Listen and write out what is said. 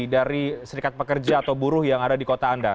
dari serikat pekerja atau buruh yang ada di kota anda